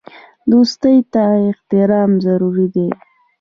دوستۍ ته احترام ضروري دی.